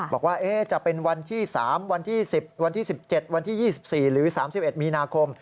บอกว่าจะเป็นวันที่๓วันที่๑๐วันที่๑๗วันที่๒๔หรือ๓๑มีนาคม